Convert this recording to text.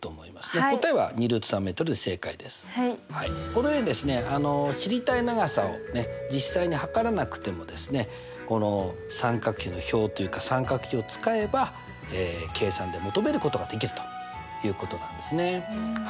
このようにですね知りたい長さを実際に測らなくてもこの三角比の表というか三角比を使えば計算で求めることができるということなんですね。